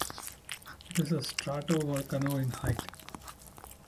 It is a stratovolcano in height.